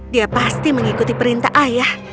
dia pasti mengikuti perintah ayah